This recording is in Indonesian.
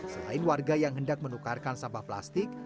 selain warga yang hendak menukarkan sampah plastik